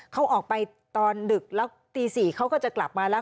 เขาออกไปตอนดึกแล้วตี๔เขาก็จะกลับมาแล้ว